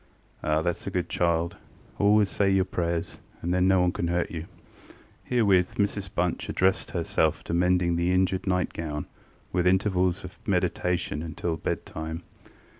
ŌĆØ ŌĆ£Ah, thatŌĆÖs a good child: always say your prayers, and then no one canŌĆÖt hurt you. ŌĆØ Herewith Mrs Bunch addressed herself to mending the injured nightgown, with intervals of meditation, until bed time.